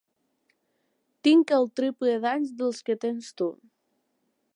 Tinc el triple d'anys dels que tens tu.